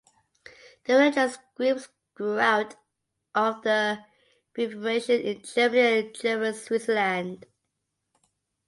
The religious groups grew out of the Reformation in Germany and German Switzerland.